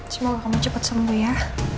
semoga kamu cepat sembuh ya